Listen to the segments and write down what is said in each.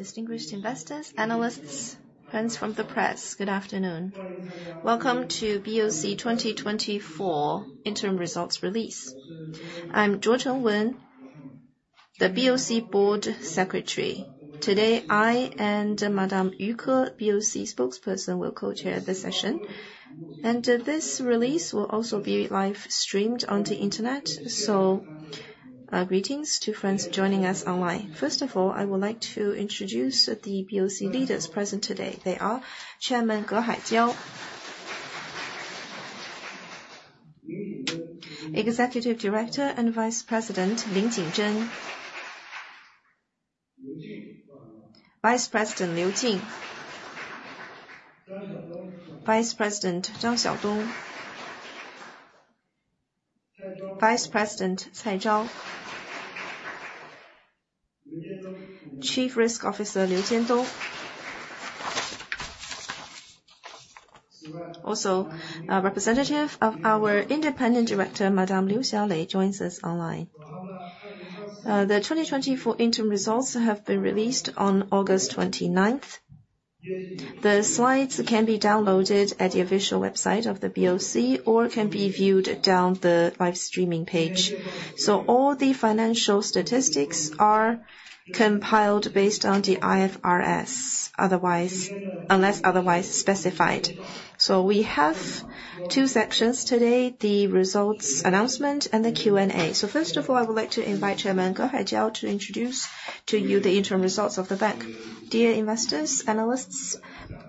Distinguished investors, analysts, friends from the press, good afternoon. Welcome to BOC 2024 interim results release. I'm George Wen, the BOC Board Secretary. Today, I and Madame Yu Ke, BOC Spokesperson, will co-chair this session, and this release will also be live-streamed on the internet, so, greetings to friends joining us online. First of all, I would like to introduce the BOC leaders present today. They are Chairman Ge Haijiao, Executive Director and Vice President Lin Jingzhen, Vice President Liu Jin, Vice President Zhang Xiaodong, Vice President Zhao Cai, Chief Risk Officer Liu Jiandong. Also, a representative of our independent director, Madame Liu Xiaolei, joins us online. The 2024 interim results have been released on August twenty-ninth. The slides can be downloaded at the official website of the BOC, or can be viewed on the live streaming page. All the financial statistics are compiled based on the IFRS, otherwise, unless otherwise specified. We have two sections today, the results announcement and the Q&A. First of all, I would like to invite Chairman Ge Haijiao to introduce to you the interim results of the bank. Dear investors, analysts,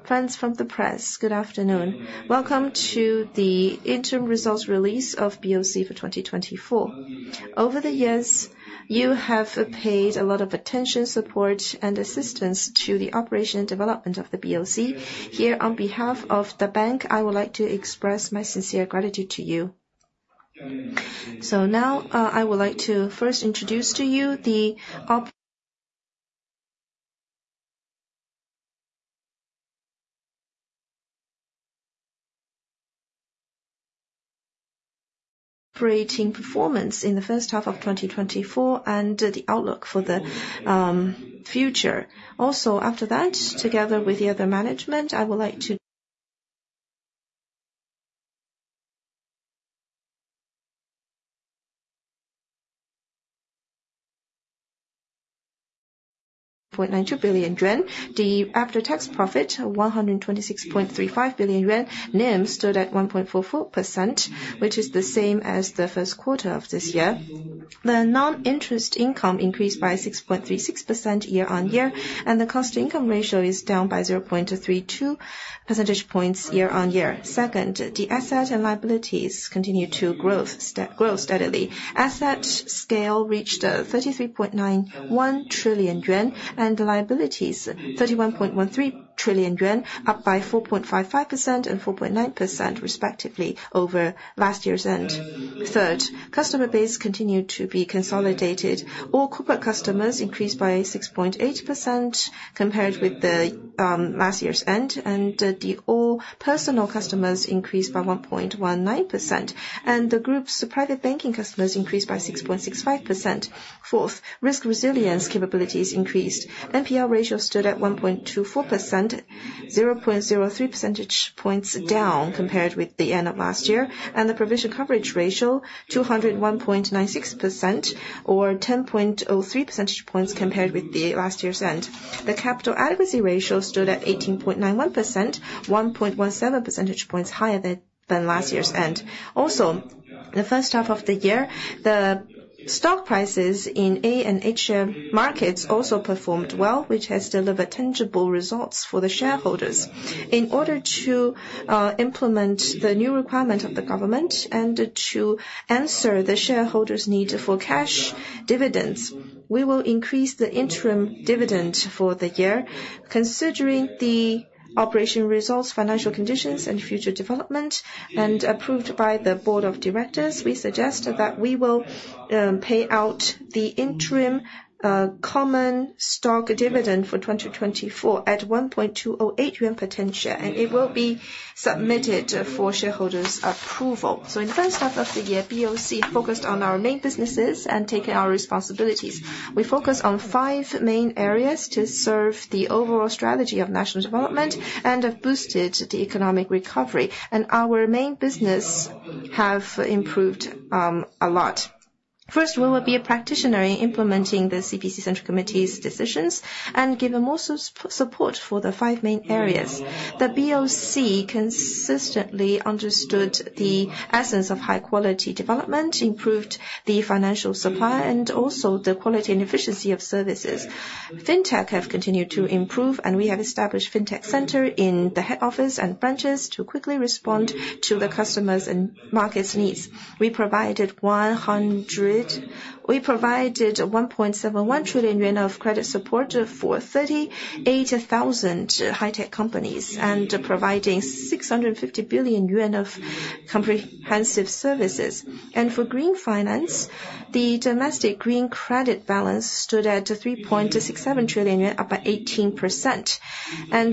friends from the press, good afternoon. Welcome to the interim results release of BOC for 2024. Over the years, you have paid a lot of attention, support, and assistance to the operation and development of the BOC. Here, on behalf of the bank, I would like to express my sincere gratitude to you. Now, I would like to first introduce to you the operating performance in the first half of 2024 and the outlook for the future. Also, after that, together with the other management, I would like to point 92 billion yuan. The after-tax profit, 126.35 billion yuan. NIM stood at one point four four percent, which is the same as the first quarter of this year. The non-interest income increased by 6.36 percent year-on-year, and the cost-to-income ratio is down by zero point three two percentage points year-on-year. Second, the assets and liabilities continue to grow steadily. Asset scale reached thirty-three point nine one trillion yuan, and the liabilities, thirty-one point one three trillion yuan, up by 4.5 percent and four point nine percent respectively over last year's end. Third, customer base continued to be consolidated. All corporate customers increased by 6.8% compared with the last year's end, and the all personal customers increased by 1.19%, and the group's private banking customers increased by 6.65%. Fourth, risk resilience capabilities increased. NPL ratio stood at 1.24%, 0.03 percentage points down compared with the end of last year. The provision coverage ratio stood at 201.96%, or 10.03 percentage points higher compared with the last year's end. The capital adequacy ratio stood at 18.91%, 1.17 percentage points higher than last year's end. Also, the first half of the year, the stock prices in A and H markets also performed well, which has delivered tangible results for the shareholders. In order to implement the new requirement of the government, and to answer the shareholders' need for cash dividends, we will increase the interim dividend for the year. Considering the operation results, financial conditions, and future development, and approved by the board of directors, we suggest that we will pay out the interim common stock dividend for twenty twenty-four at 1.208 yuan per 10 shares, and it will be submitted for shareholders' approval. In the first half of the year, BOC focused on our main businesses and taking our responsibilities. We focused on five main areas to serve the overall strategy of national development, and have boosted the economic recovery, and our main business have improved a lot. First, we will be a practitioner in implementing the CPC Central Committee's decisions, and give them also support for the five main areas. The BOC consistently understood the essence of high quality development, improved the financial supply, and also the quality and efficiency of services. Fintech have continued to improve, and we have established Fintech center in the head office and branches to quickly respond to the customers' and markets' needs. We provided 1.71 trillion yuan of credit support for 38,000 high-tech companies, and providing 650 billion yuan of comprehensive services. For green finance, the domestic green credit balance stood at 3.67 trillion yuan, up by 18%.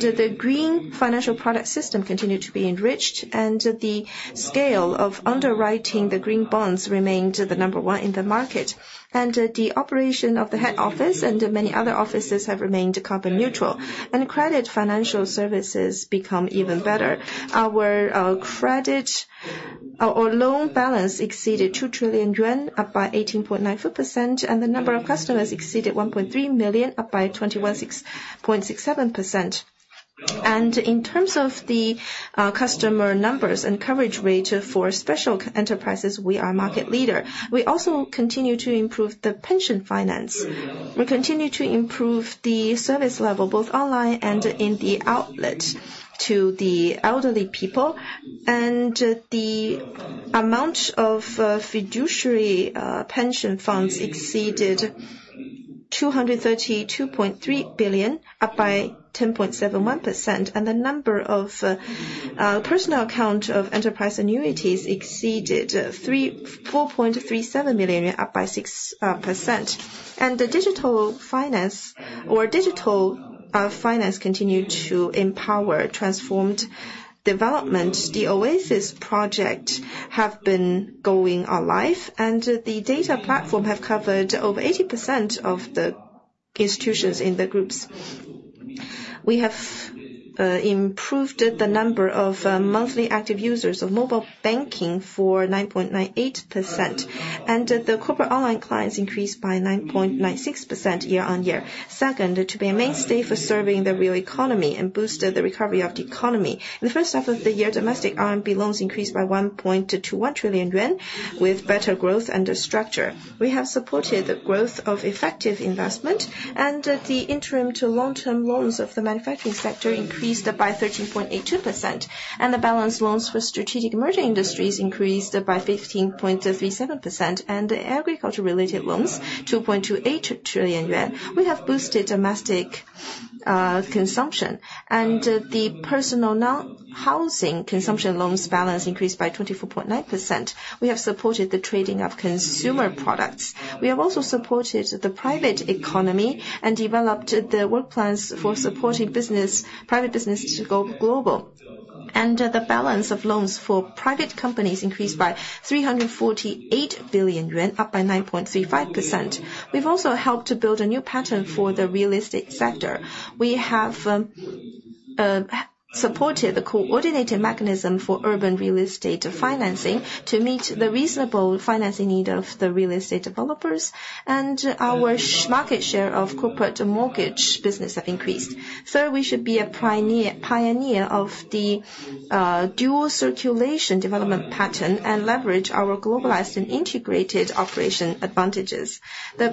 The green financial product system continued to be enriched, and the scale of underwriting the green bonds remained the number one in the market. The operation of the head office and many other offices have remained carbon neutral, and credit financial services become even better. Our credit or loan balance exceeded 2 trillion yuan, up by 18.94%, and the number of customers exceeded 1.3 million, up by 21.67%. In terms of the customer numbers and coverage rate for special enterprises, we are market leader. We also continue to improve the pension finance. We continue to improve the service level, both online and in the outlet to the elderly people. The amount of fiduciary pension funds exceeded 232.3 billion, up by 10.71%. The number of personal account of enterprise annuities exceeded 4.37 million, up by 6%. The digital finance or digital finance continued to empower transformed development. The Oasis Project has gone live, and the data platform has covered over 80% of the institutions in the group. We have improved the number of monthly active users of mobile banking by 9.98%, and the corporate online clients increased by 9.96% year-on-year. Second, to be a mainstay for serving the real economy and boost the recovery of the economy. In the first half of the year, domestic RMB loans increased by 1.21 trillion yuan, with better growth and structure. We have supported the growth of effective investment, and the medium- to long-term loans of the manufacturing sector increased by 13.82%, and the balance loans for strategic emerging industries increased by 15.37%, and the agriculture-related loans 2.28 trillion yuan. We have boosted domestic consumption, and the personal non-housing consumption loans balance increased by 24.9%. We have supported the trading of consumer products. We have also supported the private economy and developed the work plans for supporting private business to go global, and the balance of loans for private companies increased by 348 billion yuan, up by 9.35%. We've also helped to build a new pattern for the real estate sector. We have supported the coordinated mechanism for urban real estate financing to meet the reasonable financing need of the real estate developers, and our market share of corporate mortgage business have increased, so we should be a pioneer of the dual circulation development pattern and leverage our globalized and integrated operation advantages. The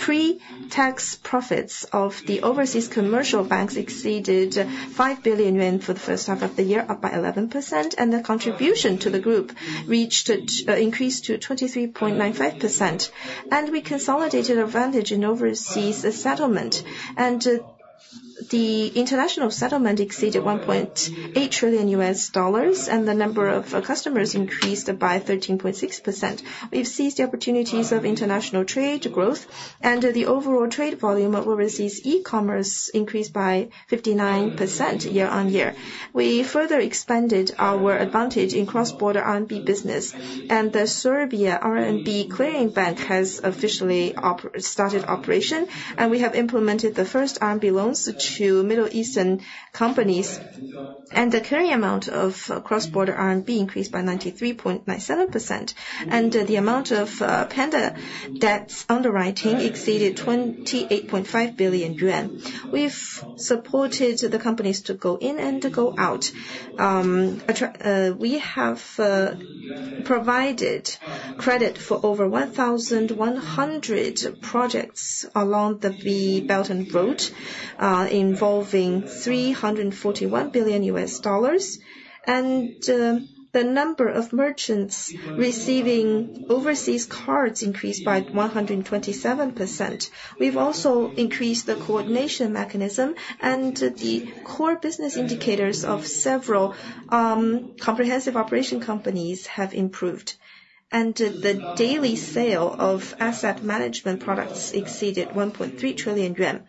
pre-tax profits of the overseas commercial banks exceeded 5 billion yuan for the first half of the year, up by 11%, and the contribution to the group reached, increased to 23.95%. And we consolidated our advantage in overseas settlement, and the international settlement exceeded $1.8 trillion, and the number of customers increased by 13.6%. We've seized the opportunities of international trade growth, and the overall trade volume of overseas e-commerce increased by 59% year-on-year. We further expanded our advantage in cross-border RMB business, and the Serbia RMB clearing bank has officially started operation, and we have implemented the first RMB loans to Middle Eastern companies. And the carrying amount of cross-border RMB increased by 93.97%, and the amount of panda bonds underwriting exceeded 28.5 billion yuan. We've supported the companies to go in and to go out. We have provided credit for over 1,100 projects along the Belt and Road, involving $341 billion, and the number of merchants receiving overseas cards increased by 127%. We've also increased the coordination mechanism, and the core business indicators of several comprehensive operation companies have improved, and the daily sale of asset management products exceeded 1.3 trillion yuan.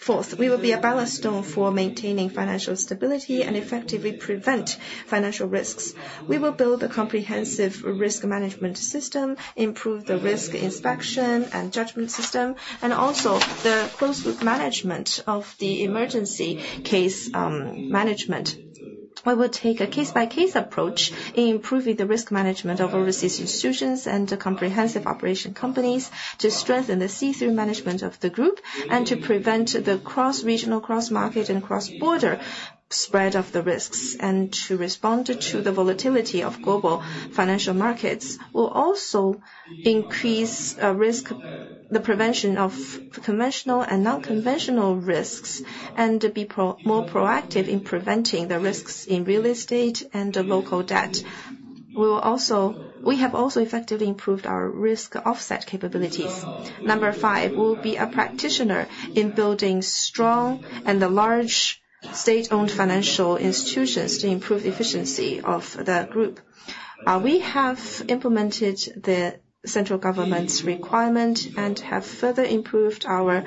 Fourth, we will be a ballast stone for maintaining financial stability and effectively prevent financial risks. We will build a comprehensive risk management system, improve the risk inspection and judgment system, and also the close with management of the emergency case management. We will take a case-by-case approach in improving the risk management of overseas institutions and the comprehensive operation companies to strengthen the see-through management of the group and to prevent the cross-regional, cross-market, and cross-border spread of the risks, and to respond to the volatility of global financial markets will also increase the prevention of conventional and non-conventional risks, and be more proactive in preventing the risks in real estate and the local debt. We have also effectively improved our risk offset capabilities. Number five, we'll be a practitioner in building strong and the large state-owned financial institutions to improve efficiency of the group. We have implemented the central government's requirement, and have further improved our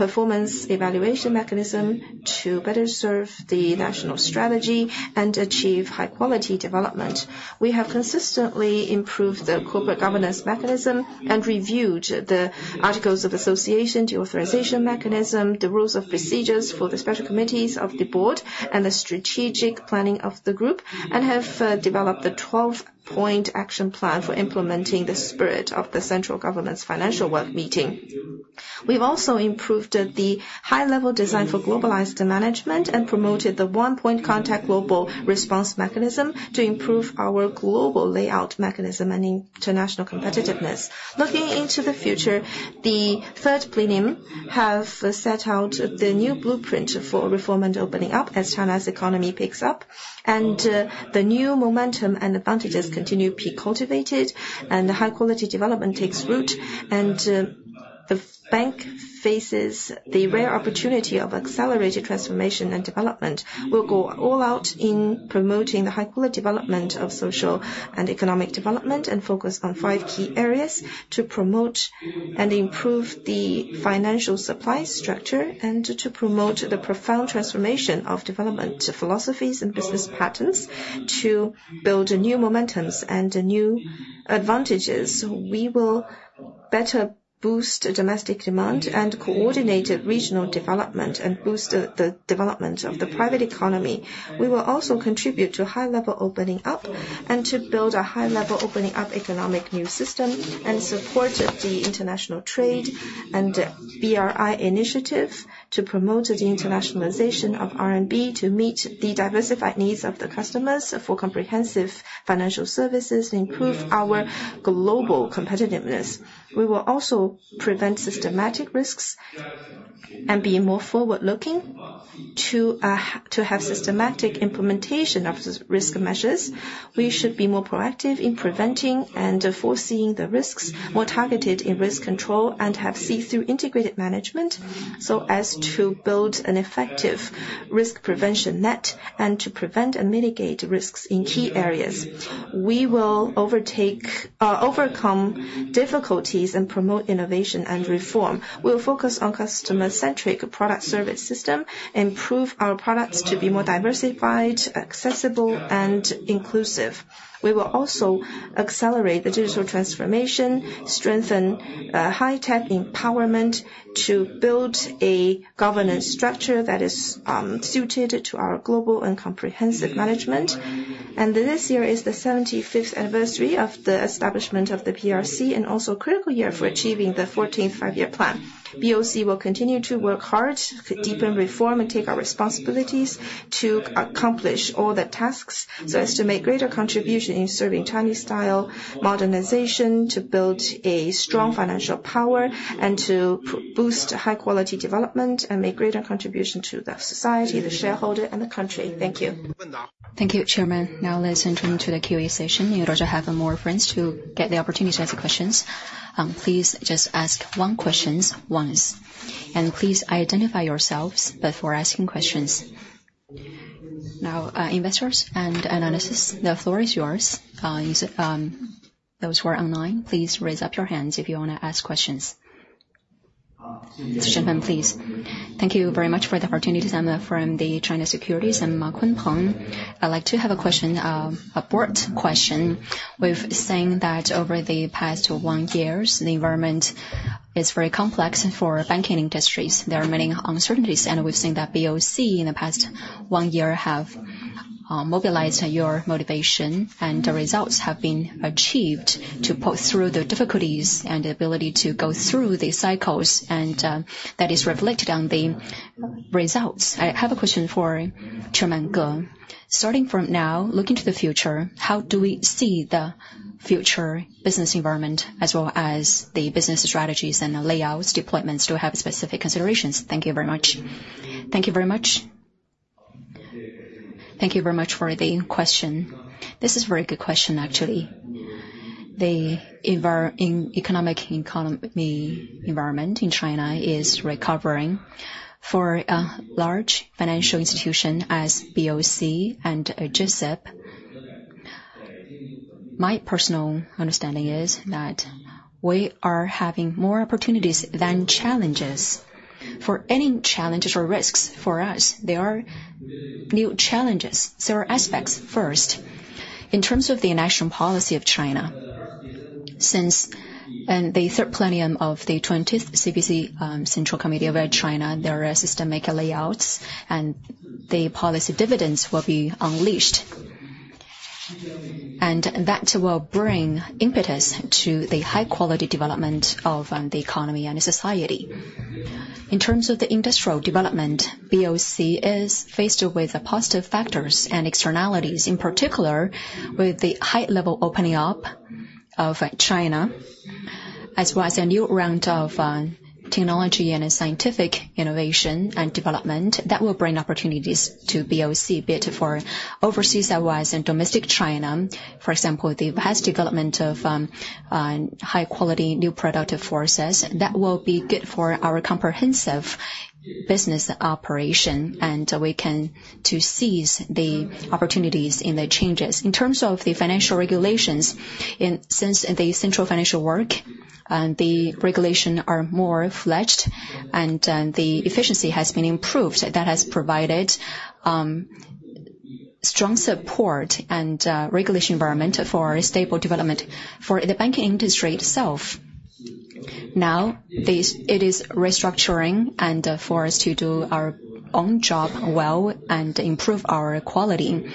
performance evaluation mechanism to better serve the national strategy and achieve high-quality development. We have consistently improved the corporate governance mechanism, and reviewed the articles of association, the authorization mechanism, the rules of procedures for the special committees of the board, and the strategic planning of the group, and have developed a twelve-point action plan for implementing the spirit of the central government's financial work meeting. We've also improved the high-level design for globalized management, and promoted the one-point contact global response mechanism to improve our global layout mechanism and international competitiveness. Looking into the future, the third plenum have set out the new blueprint for reform and opening up as China's economy picks up. And the new momentum and advantages continue to be cultivated, and the high-quality development takes root, and the bank faces the rare opportunity of accelerated transformation and development. We'll go all out in promoting the high-quality development of social and economic development, and focus on five key areas to promote and improve the financial supply structure, and to promote the profound transformation of development philosophies and business patterns, to build new momentums and new advantages. We will better boost domestic demand and coordinated regional development, and boost the development of the private economy. We will also contribute to high-level opening up, and to build a high-level opening up economic new system, and support the international trade and BRI initiative to promote the internationalization of RMB to meet the diversified needs of the customers for comprehensive financial services, improve our global competitiveness. We will also prevent systematic risks and be more forward-looking to have systematic implementation of risk measures. We should be more proactive in preventing and foreseeing the risks, more targeted in risk control, and have see-through integrated management, so as to build an effective risk prevention net, and to prevent and mitigate risks in key areas. We will overcome difficulties and promote innovation and reform. We'll focus on customer-centric product service system, improve our products to be more diversified, accessible, and inclusive. We will also accelerate the digital transformation, strengthen high-tech empowerment to build a governance structure that is suited to our global and comprehensive management, and this year is the seventy-fifth anniversary of the establishment of the PRC, and also a critical year for achieving the fourteenth Five-Year Plan. BOC will continue to work hard to deepen reform and take our responsibilities to accomplish all the tasks, so as to make greater contribution in serving Chinese-style modernization, to build a strong financial power, and to boost high-quality development and make greater contribution to the society, the shareholder, and the country. Thank you. Thank you, Chairman. Now let's enter into the QA session. In order to have more friends to get the opportunity to ask questions, please just ask one questions once, and please identify yourselves before asking questions. Now, investors and analysts, the floor is yours. Those who are online, please raise up your hands if you want to ask questions. Shannon, please. Thank you very much for the opportunity. I'm from the China Securities, I'm Ma Kunpeng. I'd like to have a question, a broad question. We've seen that over the past one years, the environment is very complex. For banking industries, there are many uncertainties, and we've seen that BOC, in the past one year, have mobilized your motivation, and the results have been achieved to pull through the difficulties and ability to go through the cycles, and that is reflected on the results. I have a question for Chairman Ge. Starting from now, looking to the future, how do we see the future business environment, as well as the business strategies and the layouts, deployments to have specific considerations? Thank you very much. Thank you very much. Thank you very much for the question. This is a very good question, actually. The economic environment in China is recovering. For a large financial institution as BOC and G-SIB, my personal understanding is that we are having more opportunities than challenges. For any challenges or risks for us, they are new challenges. There are aspects, first, in terms of the national policy of China, since in the third plenum of the twentieth CPC Central Committee of China, there are systematic layouts, and the policy dividends will be unleashed, and that will bring impetus to the high-quality development of the economy and the society. In terms of the industrial development, BOC is faced with positive factors and externalities, in particular, with the high-level opening up of China, as well as a new round of technology and scientific innovation and development that will bring opportunities to BOC, be it for overseas as well as in domestic China. For example, the vast development of high-quality new productive forces, that will be good for our comprehensive business operation, and we can to seize the opportunities in the changes. In terms of the financial regulations, since the central financial work and the regulation are more fledged and the efficiency has been improved, that has provided strong support and regulatory environment for stable development for the banking industry itself. Now, it is restructuring and for us to do our own job well and improve our quality.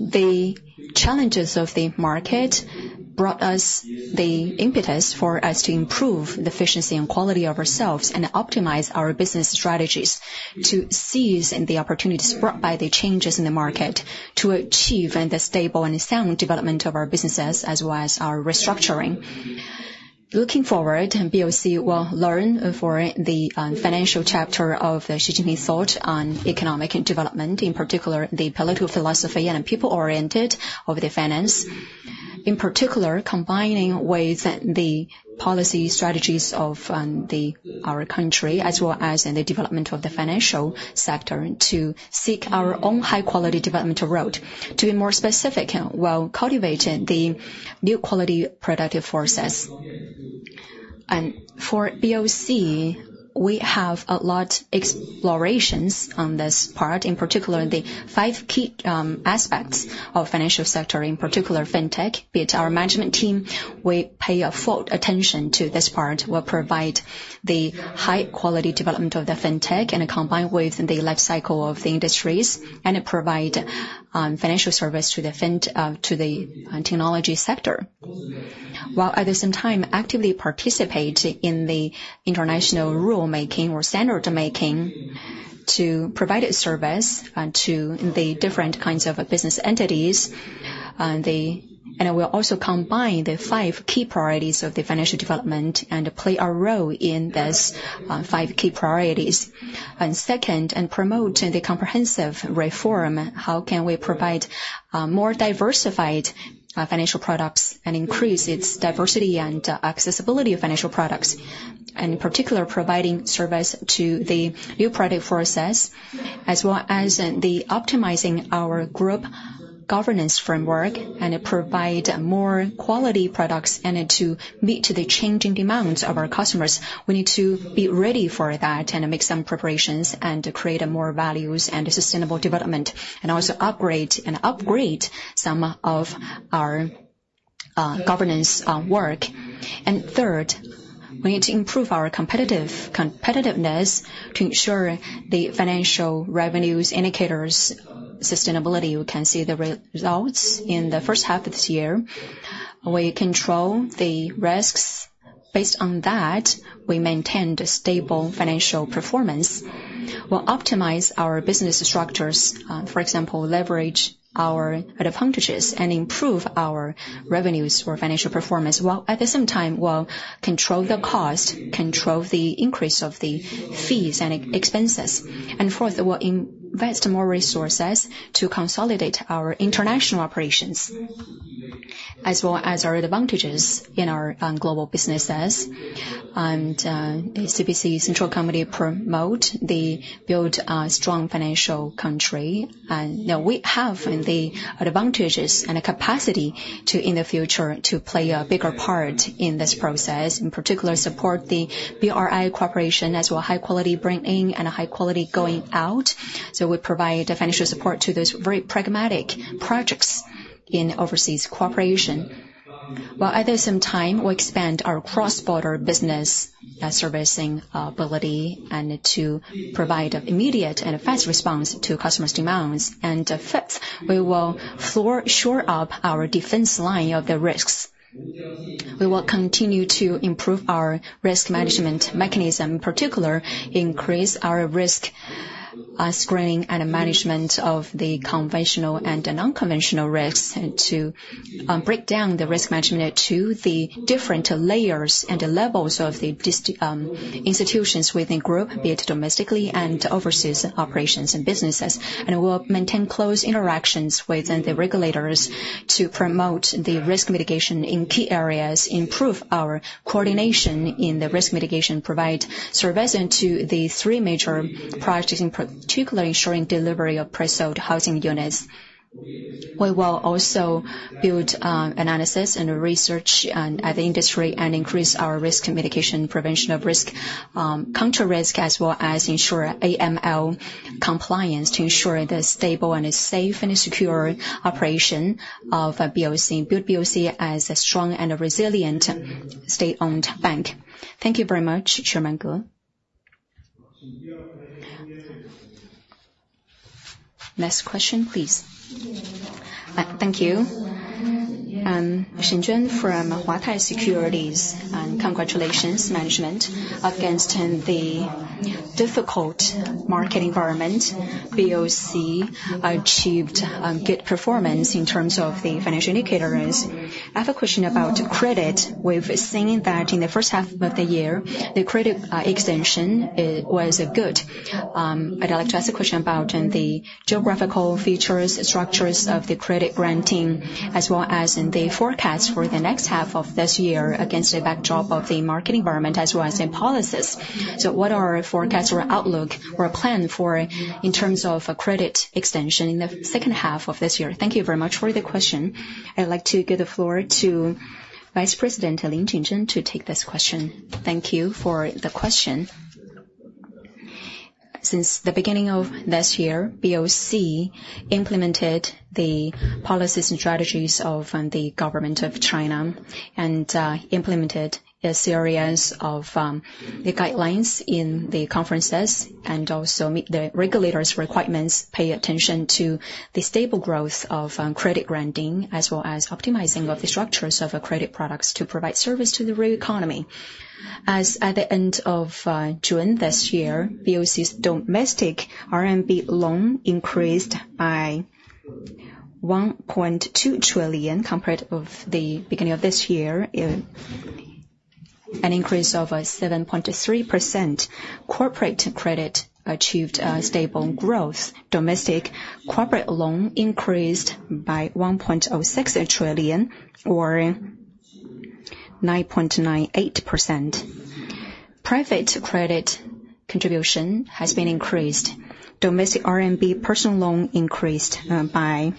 The challenges of the market brought us the impetus for us to improve the efficiency and quality of ourselves and optimize our business strategies to seize the opportunities brought by the changes in the market, to achieve and the stable and sound development of our businesses as well as our restructuring. Looking forward, BOC will learn for the, financial chapter of the Xi Jinping thought on economic development, in particular, the political philosophy and people-oriented of the finance. In particular, combining with the policy strategies of, our country, as well as in the development of the financial sector, to seek our own high quality development road. To be more specific, while cultivating the new quality productive forces. For BOC, we have a lot explorations on this part, in particular, the five key, aspects of financial sector, in particular, Fintech. Be it our management team, we pay a full attention to this part. We'll provide the high quality development of the Fintech and combine with the life cycle of the industries, and provide financial service to the technology sector, while at the same time actively participate in the international rule-making or standard-making to provide a service and to the different business entities. We'll also combine the five key priorities of the financial development and play a role in these five key priorities. Second, promote the comprehensive reform. How can we provide more diversified financial products and increase its diversity and accessibility of financial products? In particular, providing service to the new product for us, as well as in the optimizing our group governance framework, and provide more quality products and to meet the changing demands of our customers. We need to be ready for that and make some preparations, and to create more values and sustainable development, and also operate and upgrade some of our governance work. Third, we need to improve our competitiveness to ensure the financial revenues indicators' sustainability. We can see the results in the first half of this year. We control the risks. Based on that, we maintain the stable financial performance. We'll optimize our business structures. For example, leverage our advantages and improve our revenues for financial performance, while at the same time, we'll control the cost, control the increase of the fees and expenses. Fourth, we'll invest more resources to consolidate our international operations, as well as our advantages in our global businesses. CPC Central Committee promote the build strong financial country. Now we have the advantages and the capacity to, in the future, to play a bigger part in this process, in particular, support the BRI cooperation, as well, high quality bringing and a high quality going out. We provide financial support to those very pragmatic projects in overseas cooperation, while at the same time, we expand our cross-border business servicing ability and to provide immediate and fast response to customers' demands. Fifth, we will shore up our defense line of the risks. We will continue to improve our risk management mechanism, in particular, increase our risk screening and management of the conventional and unconventional risks, and to break down the risk management to the different layers and the levels of the institutions within group, be it domestically and overseas operations and businesses. We will maintain close interactions with the regulators to promote the risk mitigation in key areas, improve our coordination in the risk mitigation, provide services to the three major projects, in particular, ensuring delivery of pre-sold housing units. We will also build analysis and research at the industry and increase our risk mitigation, prevention of risk, counter risk, as well as ensure AML compliance to ensure the stable and a safe and secure operation of BOC, build BOC as a strong and a resilient state-owned bank. Thank you very much, Chairman Ge. Next question, please. Thank you. Shen Juan from Huatai Securities, and congratulations, management. Against the difficult market environment, BOC achieved good performance in terms of the financial indicators. I have a question about credit. We've seen that in the first half of the year, the credit extension, it was good. I'd like to ask a question about in the geographical features, structures of the credit granting, as well as in the forecast for the next half of this year against the backdrop of the market environment, as well as in policies. What are our forecasts or outlook or plan for in terms of a credit extension in the second half of this year? Thank you very much for the question. I'd like to give the floor to Vice President Lin Jingzhen to take this question. Thank you for the question. Since the beginning of this year, BOC implemented the policies and strategies of the government of China, and implemented a series of the guidelines in the conferences, and also meet the regulators' requirements, pay attention to the stable growth of credit granting, as well as optimizing of the structures of our credit products to provide service to the real economy. As at the end of June this year, BOC's domestic RMB loan increased by 1.2 trillion, compared of the beginning of this year, an increase of 7.3%. Corporate credit achieved stable growth. Domestic corporate loan increased by 1.06 trillion or 9.98%. Private credit contribution has been increased. Domestic RMB personal loan increased by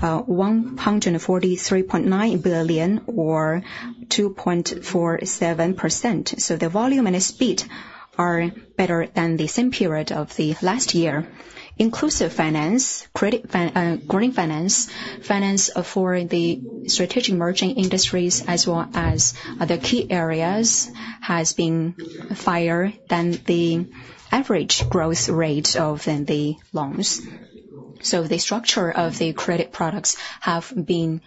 143.9 billion or 2.47%, so the volume and the speed are better than the same period of the last year. Inclusive Finance, credit finance, Green Finance, finance for the Strategic Emerging Industries, as well as other key areas, has been higher than the average growth rate of the loans. The structure of the credit products has been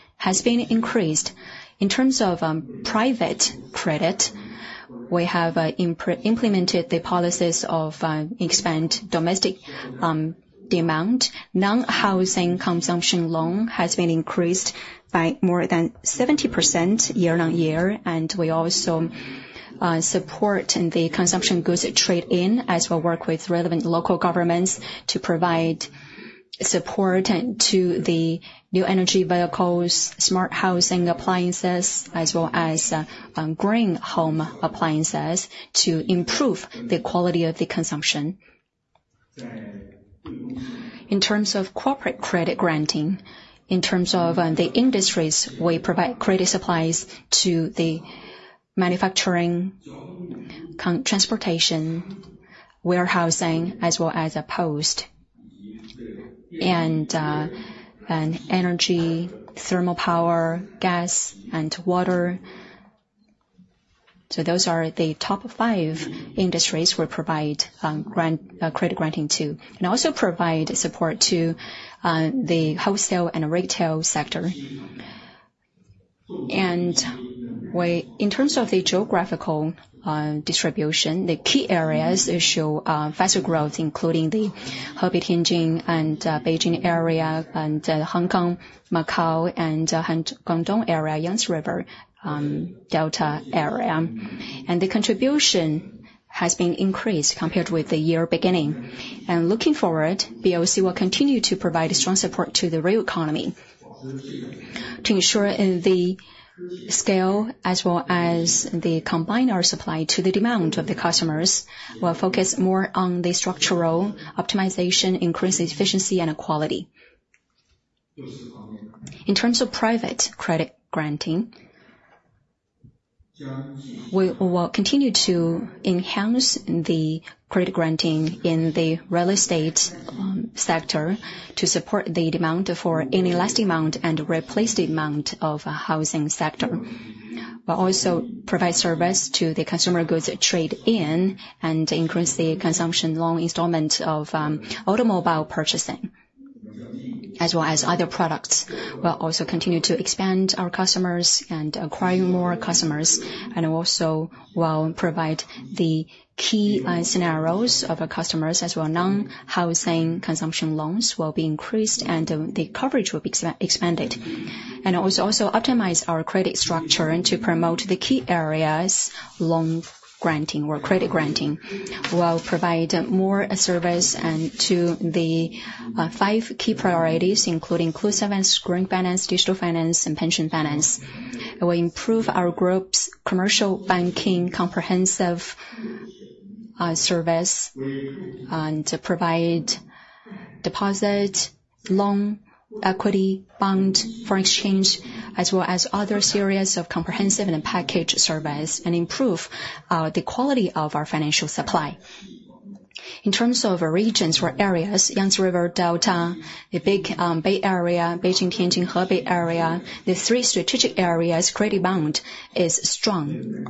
increased. In terms of private credit, we have implemented the policies to expand domestic demand. Non-housing consumption loan has been increased by more than 70% year-on-year, and we also support the consumption goods trade-in, as we work with relevant local governments to provide support and to the new energy vehicles, smart housing appliances, as well as green home appliances to improve the quality of the consumption. In terms of corporate credit granting, in terms of the industries, we provide credit supplies to the manufacturing, construction, transportation, warehousing, as well as post, and energy, thermal power, gas and water. Those are the top five industries we provide credit granting to, and also provide support to the wholesale and retail sector. In terms of the geographical distribution, the key areas show faster growth, including the Hebei, Tianjin, and Beijing area, and Hong Kong, Macao and Guangdong area, Yangtze River Delta area. The contribution has been increased compared with the year beginning. Looking forward, BOC will continue to provide a strong support to the real economy. To ensure the scale as well as the combined supply to the demand of the customers, we'll focus more on the structural optimization, increase efficiency and quality. In terms of private credit granting, we will continue to enhance the credit granting in the real estate sector to support the demand for rental amount and replace the amount of housing sector. We'll also provide service to the consumer goods trade-in and increase the consumption loan installment of automobile purchasing, as well as other products. We'll also continue to expand our customers and acquire more customers, and also we'll provide the key scenarios of our customers as well. Non-housing consumption loans will be increased, and the coverage will be expanded. We will also optimize our credit structure and promote the key areas, loan granting or credit granting. We'll provide more services to the five key priorities, including inclusive and green finance, digital finance, and pension finance. We'll improve our group's commercial banking comprehensive service and provide deposit, loan, equity, bond, foreign exchange, as well as other series of comprehensive and package service, and improve the quality of our financial supply. In terms of regions or areas, Yangtze River Delta, the big Bay Area, Beijing, Tianjin, Hebei area, the three strategic areas, credit growth is strong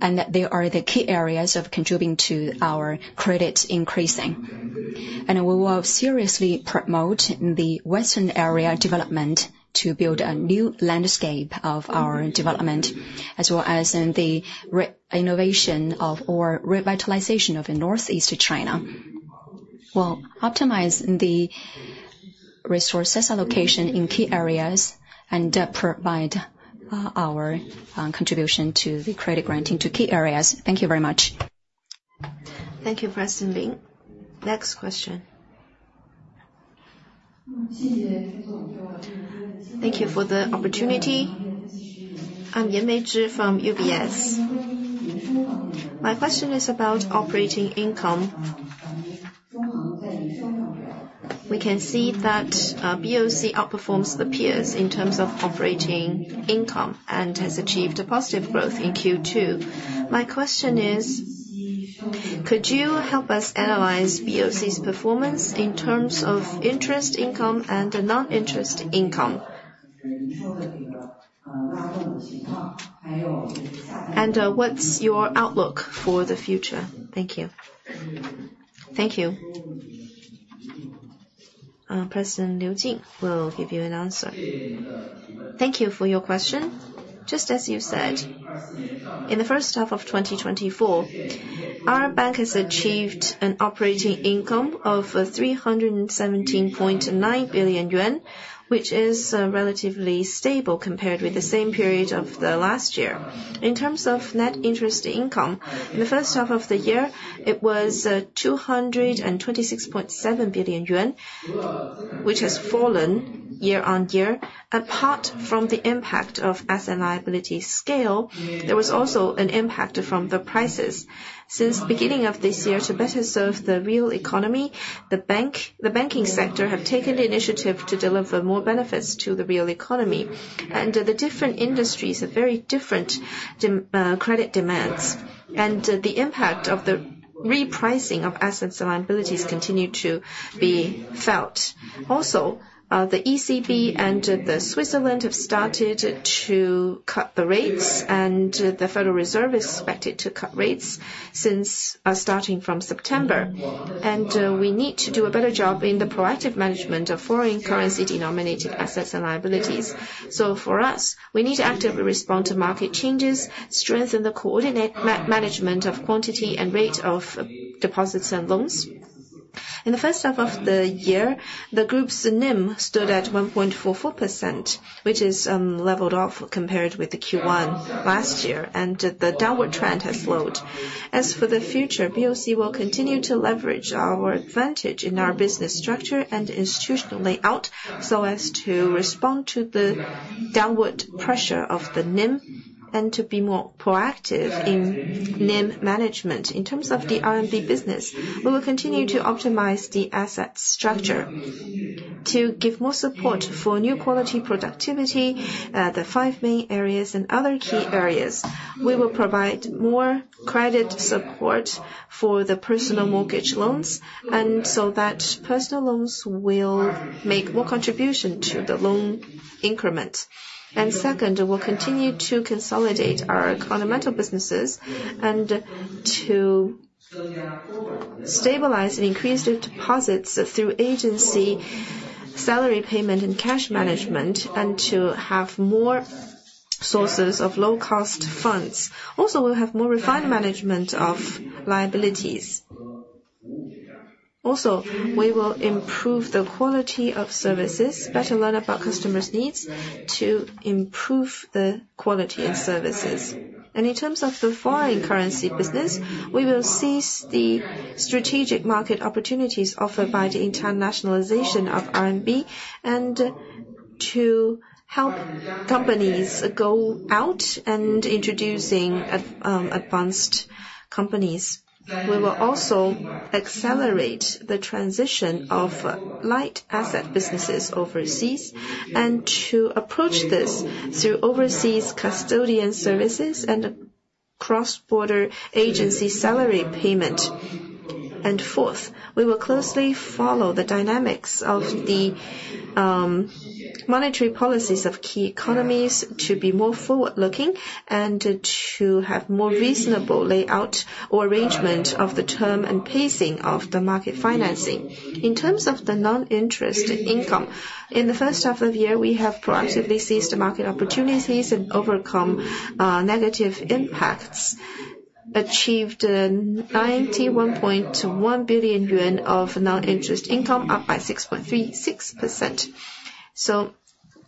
and they are the key areas of contributing to our credits increasing. We will seriously promote the western area development to build a new landscape of our development, as well as in the revitalization of Northeast China. We'll optimize the resources allocation in key areas and provide our contribution to the credit granting to key areas. Thank you very much. Thank you, President Ling. Next question. Thank you for the opportunity. I'm Yan Meizhi from UBS. My question is about operating income. We can see that, BOC outperforms the peers in terms of operating income, and has achieved a positive growth in Q2. My question is: could you help us analyze BOC's performance in terms of interest income and non-interest income? What's your outlook for the future? Thank you. Thank you. President Liu Jin will give you an answer. Thank you for your question. Just as you said, in the first half of 2024, our bank has achieved an operating income of 317.9 billion yuan, which is relatively stable compared with the same period of the last year. In terms of net interest income, in the first half of the year, it was 226.7 billion yuan, which has fallen year on year. Apart from the impact of asset liability scale, there was also an impact from the prices. Since beginning of this year, to better serve the real economy, the banking sector have taken the initiative to deliver more benefits to the real economy, and the different industries have very different credit demands, and the impact of the repricing of assets and liabilities continue to be felt. Also, the ECB and the Switzerland have started to cut the rates, and the Federal Reserve is expected to cut rates since starting from September. We need to do a better job in the proactive management of foreign currency-denominated assets and liabilities. For us, we need to actively respond to market changes, strengthen the coordinate management of quantity and rate of deposits and loans. In the first half of the year, the group's NIM stood at 1.44%, which is leveled off compared with the Q1 last year, and the downward trend has slowed. As for the future, BOC will continue to leverage our advantage in our business structure and institutionally out, so as to respond to the downward pressure of the NIM and to be more proactive in NIM management. In terms of the RMB business, we will continue to optimize the asset structure to give more support for new quality productive forces, the five main areas and other key areas. We will provide more credit support for the personal mortgage loans, and so that personal loans will make more contribution to the loan increment. Second, we'll continue to consolidate our fundamental businesses, and to stabilize and increase the deposits through agency, salary payment and cash management, and to have more sources of low-cost funds. Also, we'll have more refined management of liabilities. Also, we will improve the quality of services, better learn about customers' needs to improve the quality of services. In terms of the foreign currency business, we will seize the strategic market opportunities offered by the internationalization of RMB, and to help companies go out and introducing advanced companies. We will also accelerate the transition of light asset businesses overseas, and to approach this through overseas custodian services and cross-border agency salary payment. Fourth, we will closely follow the dynamics of the monetary policies of key economies to be more forward-looking and to have more reasonable layout or arrangement of the term and pacing of the market financing. In terms of the non-interest income, in the first half of the year, we have proactively seized the market opportunities and overcome negative impacts, achieved 91.1 billion CNY of non-interest income, up by 6.36%.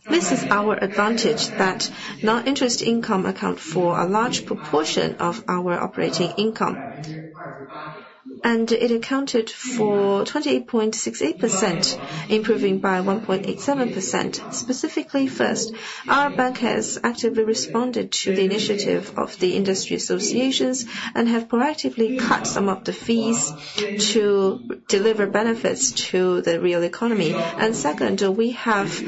This is our advantage, that non-interest income account for a large proportion of our operating income. It accounted for 28.68%, improving by 1.87%. Specifically, first, our bank has actively responded to the initiative of the industry associations, and have proactively cut some of the fees to deliver benefits to the real economy. Second, we have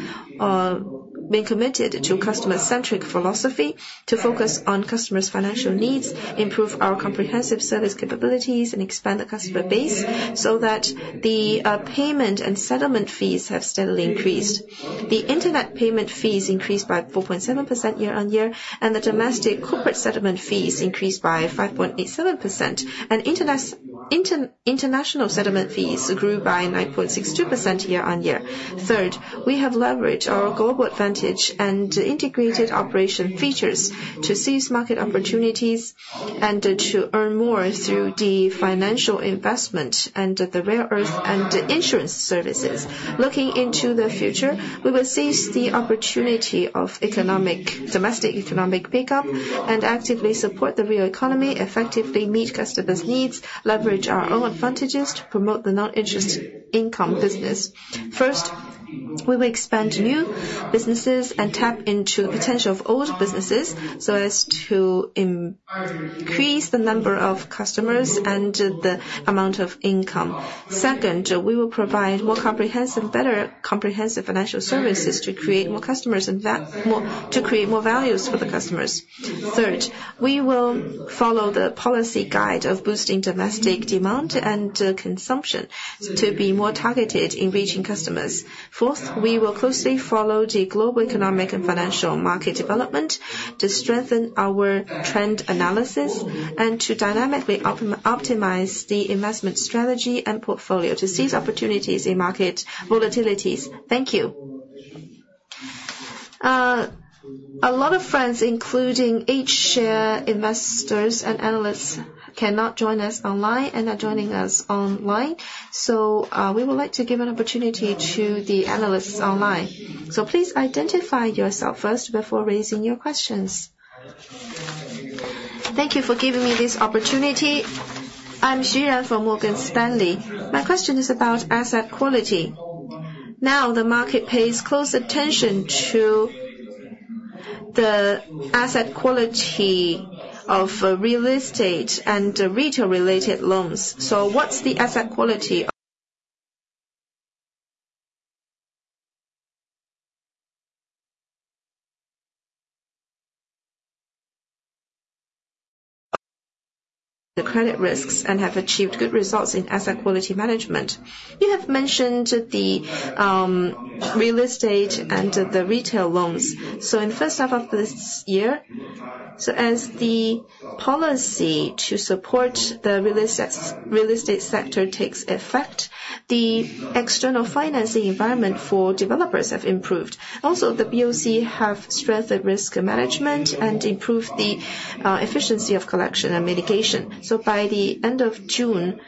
been committed to customer-centric philosophy to focus on customers' financial needs, improve our comprehensive service capabilities, and expand the customer base, so that the payment and settlement fees have steadily increased. The internet payment fees increased by 4.7% year on year, and the domestic corporate settlement fees increased by 5.87%. International settlement fees grew by 9.62% year-on-year. Third, we have leveraged our global advantage and integrated operation features to seize market opportunities, and to earn more through the financial investment and the wealth and insurance services. Looking into the future, we will seize the opportunity of domestic economic pickup, and actively support the real economy, effectively meet customers' needs, leverage our own advantages to promote the non-interest income business. First, we will expand new businesses and tap into potential of old businesses, so as to increase the number of customers and the amount of income. Second, we will provide better comprehensive financial services to create more customers, to create more values for the customers. Third, we will follow the policy guide of boosting domestic demand and consumption to be more targeted in reaching customers. Fourth, we will closely follow the global economic and financial market development to strengthen our trend analysis, and to dynamically optimize the investment strategy and portfolio to seize opportunities in market volatilities. Thank you. A lot of friends, including H share investors and analysts, cannot join us online and are joining us online. We would like to give an opportunity to the analysts online. Please identify yourself first before raising your questions. Thank you for giving me this opportunity. I'm Xu Yan from Morgan Stanley. My question is about asset quality. Now, the market pays close attention to the asset quality of real estate and retail-related loans. What's the asset quality of? The credit risks and have achieved good results in asset quality management. You have mentioned the real estate and the retail loans. In the first half of this year, so as the policy to support the real estate sector takes effect, the external financing environment for developers have improved. Also, the BOC have strengthened risk management and improved the efficiency of collection and mitigation. By the end of June,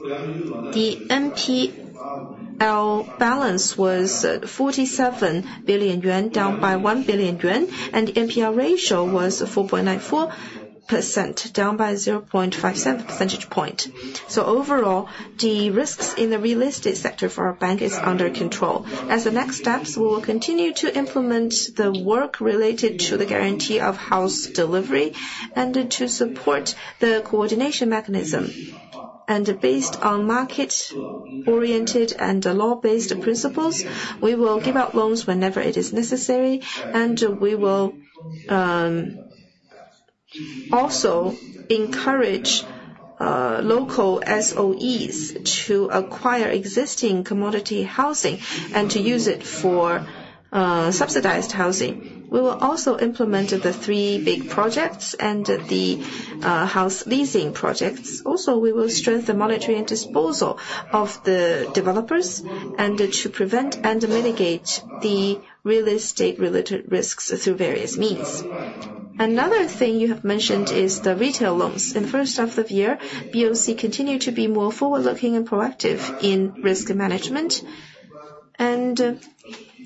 the NPL balance was 47 billion yuan, down by 1 billion yuan, and the NPL ratio was 4.94%, down by 0.57 percentage point. Overall, the risks in the real estate sector for our bank is under control. As the next steps, we will continue to implement the work related to the guarantee of house delivery and to support the coordination mechanism. Based on market-oriented and law-based principles, we will give out loans whenever it is necessary, and we will also encourage local SOEs to acquire existing commodity housing and to use it for subsidized housing. We will also implement the three big projects and the house leasing projects. Also, we will strengthen the monetary disposal of the developers and to prevent and mitigate the real estate-related risks through various means. Another thing you have mentioned is the retail loans. In the first half of the year, BOC continued to be more forward-looking and proactive in risk management.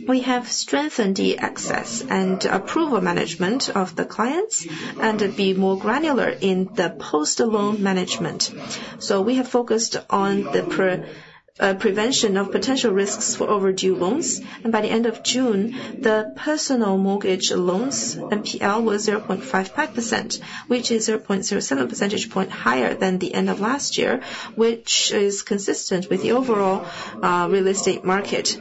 We have strengthened the access and approval management of the clients, and be more granular in the post-loan management. So we have focused on the prevention of potential risks for overdue loans, and by the end of June, the personal mortgage loans NPL was 0.55%, which is 0.07 percentage point higher than the end of last year, which is consistent with the overall real estate market.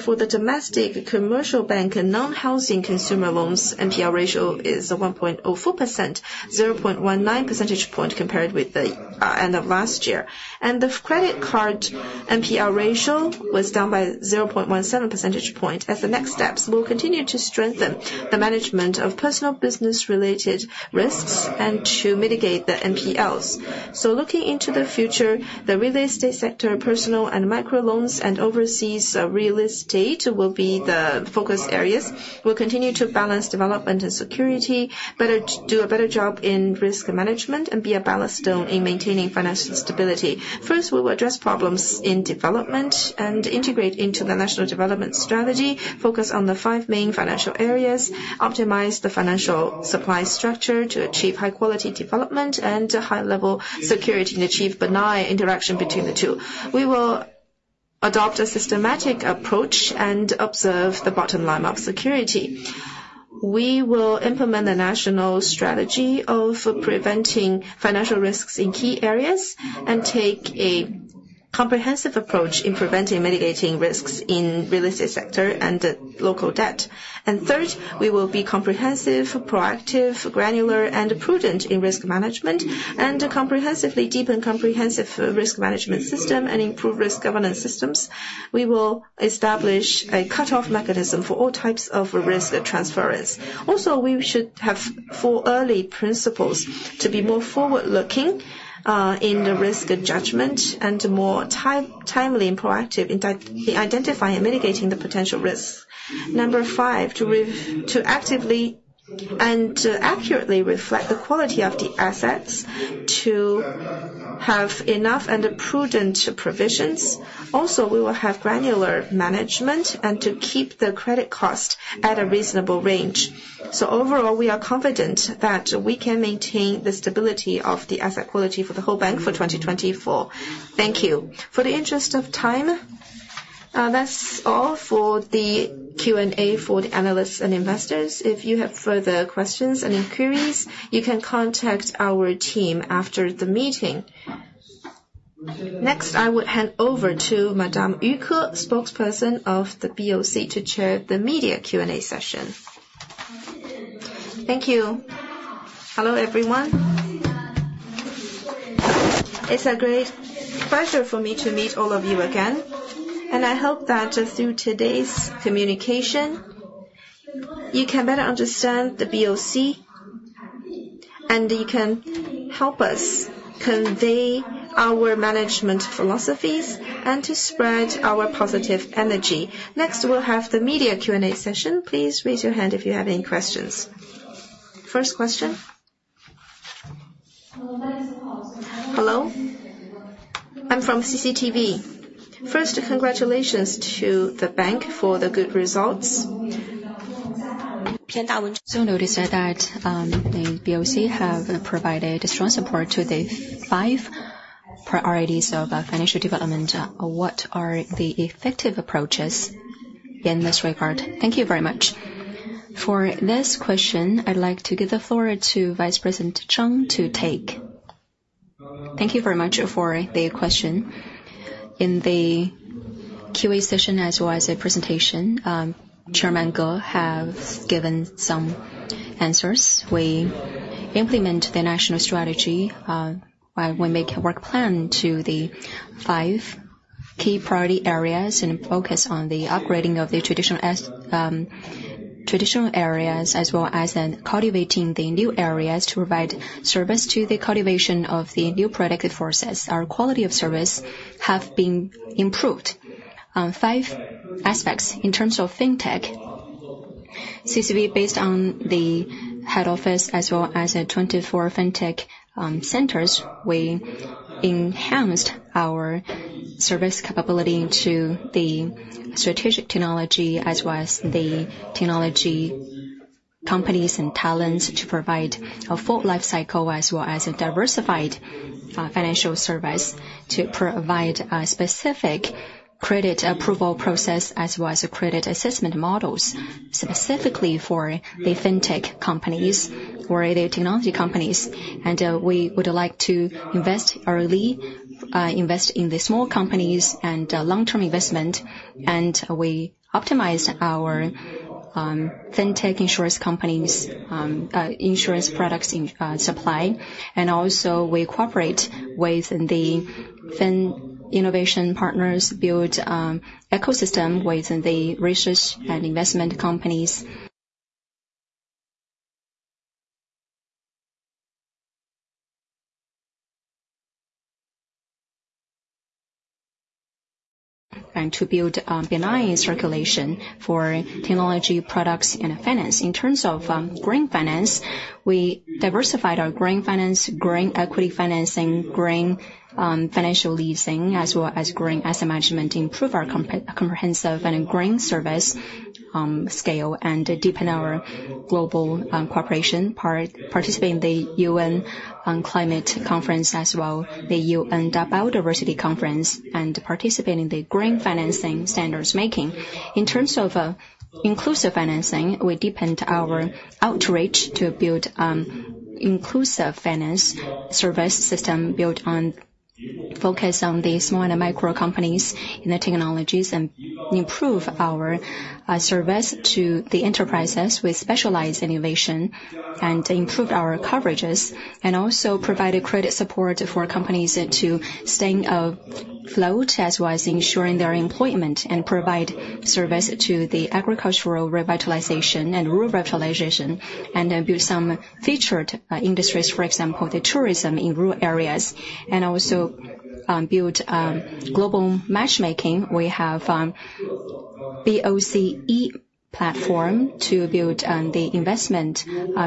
For the domestic commercial bank and non-housing consumer loans, NPL ratio is 1.04%, 0.19 percentage point compared with the end of last year. The credit card NPL ratio was down by 0.17 percentage point. As the next steps, we'll continue to strengthen the management of personal business-related risks and to mitigate the NPLs. Looking into the future, the real estate sector, personal and micro loans and overseas real estate will be the focus areas. We'll continue to balance development and security, do a better job in risk management and be a ballast stone in maintaining financial stability. First, we will address problems in development and integrate into the national development strategy, focus on the five main financial areas, optimize the financial supply structure to achieve high quality development and high level security, and achieve benign interaction between the two. We will adopt a systematic approach and observe the bottom line of security. We will implement the national strategy of preventing financial risks in key areas and take a comprehensive approach in preventing mitigating risks in real estate sector and local debt. Third, we will be comprehensive, proactive, granular, and prudent in risk management, and comprehensively deepen comprehensive risk management system and improve risk governance systems. We will establish a cut-off mechanism for all types of risk transference. Also, we should have four early principles to be more forward-looking in the risk judgment and more timely and proactive in identifying and mitigating the potential risks. Number five, to actively and to accurately reflect the quality of the assets, to have enough and prudent provisions. Also, we will have granular management and to keep the credit cost at a reasonable range. Overall, we are confident that we can maintain the stability of the asset quality for the whole bank for 2024. Thank you. For the interest of time, that's all for the Q&A for the analysts and investors. If you have further questions and inquiries, you can contact our team after the meeting. Next, I would hand over to Madame Yu Ke, spokesperson of the BOC, to chair the media Q&A session. Thank you. Hello, everyone. It's a great pleasure for me to meet all of you again, and I hope that through today's communication, you can better understand the BOC, and you can help us convey our management philosophies and to spread our positive energy. Next, we'll have the media Q&A session. Please raise your hand if you have any questions. First question? Hello, I'm from CCTV. First, congratulations to the bank for the good results. Notice that the BOC have provided strong support to the five priorities of financial development. What are the effective approaches in this regard? Thank you very much. For this question, I'd like to give the floor to Vice President Cheng to take. Thank you very much for the question. In the QA session, as well as the presentation, Chairman Ge have given some answers. We implement the national strategy, by we make a work plan to the five key priority areas and focus on the upgrading of the traditional areas, as well as in cultivating the new areas to provide service to the cultivation of the new quality productive forces. Our quality of service have been improved on five aspects. In terms of Fintech, CCTV, based on the head office as well as the 24 Fintech centers, we enhanced our service capability to the strategic technology as well as the technology companies and talents to provide a full life cycle, as well as a diversified financial service to provide a specific credit approval process, as well as credit assessment models, specifically for the Fintech companies or the technology companies. We would like to invest early in the small companies and long-term investment, and we optimize our Fintech, insurance companies insurance products in supply. We also cooperate with the financial innovation partners, build ecosystem with the research and investment companies. [We aim] to build benign circulation for technology, products, and finance. In terms of green finance, we diversified our green finance, green equity financing, green financial leasing, as well as green asset management, improve our comprehensive and green service scale, and deepen our global cooperation, participate in the UN climate conference, as well as the UN biodiversity conference, and participate in the green financing standards making. In terms of inclusive finance, we deepened our outreach to build inclusive finance service system built on focus on the small and micro companies in the technologies and improve our service to the enterprises with specialized innovation and improved our coverages, and also provided credit support for companies and to staying afloat, as well as ensuring their employment and provide service to the agricultural revitalization and rural revitalization, and build some featured industries, for example, the tourism in rural areas, and also build global matchmaking. We have BOCE platform to build the investment